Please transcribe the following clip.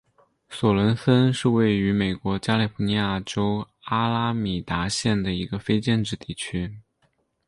索伦森是位于美国加利福尼亚州阿拉米达县的一个非建制地区。